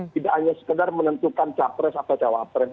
tidak hanya sekedar menentukan capres atau cawapres